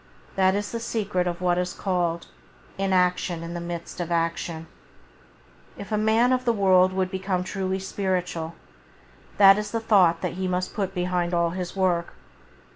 That is the secret of what is called "inaction in the midst of action". If a man of the world would become truly spiritual, that is the thought that he must put behind all his work.